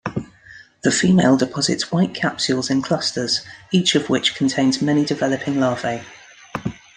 The female deposits white capsules in clusters, each of which contains many developing larvae.